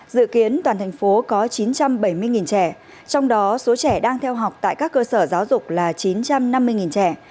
dự kiến toàn thành phố có chín trăm bảy mươi trẻ trong đó số trẻ đang theo học tại các cơ sở giáo dục là chín trăm năm mươi trẻ